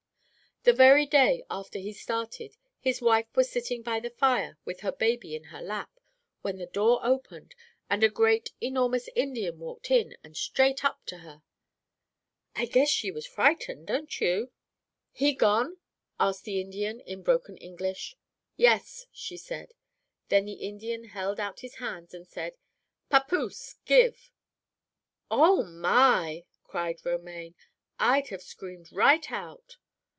"The very day after he started, his wife was sitting by the fire with her baby in her lap, when the door opened, and a great, enormous Indian walked in and straight up to her. "I guess she was frightened; don't you? "'He gone?' asked the Indian in broken English. "'Yes,' she said. "Then the Indian held out his hands and said, 'Pappoose. Give.'" "Oh, my!" cried Romaine. "I'd have screamed right out."